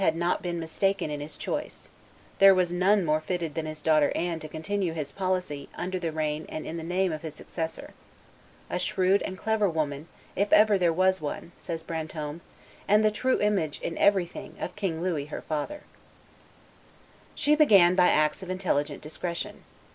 had not been mistaken in his choice; there was none more fitted than his daughter Anne to continue his policy under the reign and in the name of his successor; "a shrewd and clever woman, if ever there was one," says Brantome, "and the true image in everything of King Louis, her father." [Illustration: Anne de Beaujeu 264] She began by acts of intelligent discretion.